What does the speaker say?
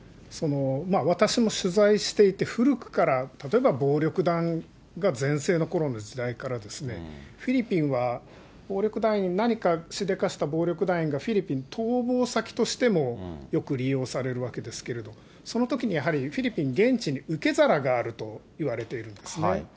私も取材していて、古くから、例えば暴力団が全盛のころの時代から、フィリピンは暴力団員、何かしでかした暴力団員が、フィリピンを逃亡先としてもよく利用されるわけですけれど、そのときにやはりフィリピン、現地に受け皿があるといわれているんですね。